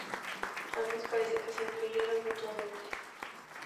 Ambos parece que se influyeron mutuamente.